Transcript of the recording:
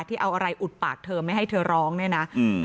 ที่เอาอะไรอุดปากเธอไม่ให้เธอร้องเนี่ยนะอืม